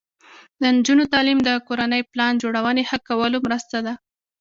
د نجونو تعلیم د کورنۍ پلان جوړونې ښه کولو مرسته ده.